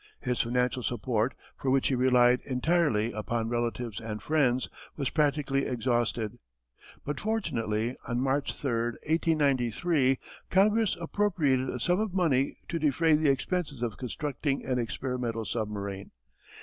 His financial support, for which he relied entirely upon relatives and friends, was practically exhausted. But fortunately on March 3, 1893, Congress appropriated a sum of money to defray the expenses of constructing an experimental submarine.